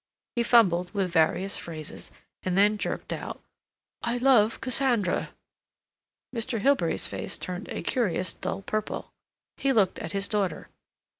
He fumbled with various phrases; and then jerked out: "I love Cassandra." Mr. Hilbery's face turned a curious dull purple. He looked at his daughter.